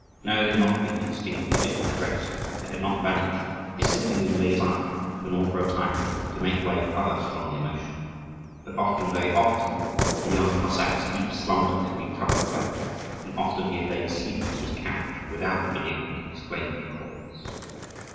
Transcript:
No, they had not been extinguished in his breast, they had not vanished, they had simply been laid aside, in order, for a time, to make way for other strong emotions; but often, very often, the young Cossack's deep slumber had been troubled by them, and often he had lain sleepless on his couch, without being able to explain the cause.